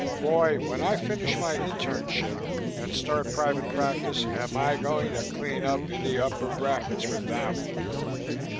"Boy, when I finish my internship and start private practice, am I going to clean up in the upper brackets with that one!